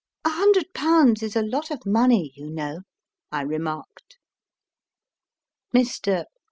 A hundred pounds is a lot of money, you know/ I remarked. Mr.